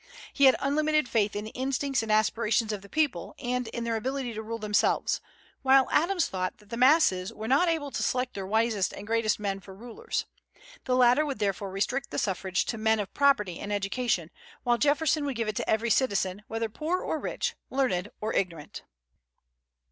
He had unlimited faith in the instincts and aspirations of the people, and in their ability to rule themselves, while Adams thought that the masses were not able to select their wisest and greatest men for rulers. The latter would therefore restrict the suffrage to men of property and education, while Jefferson would give it to every citizen, whether poor or rich, learned or ignorant.